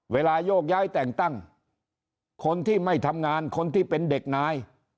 โยกย้ายแต่งตั้งคนที่ไม่ทำงานคนที่เป็นเด็กนาย